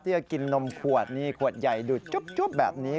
จะกินนมขวดนี่ขวดใหญ่ดูดจุ๊บแบบนี้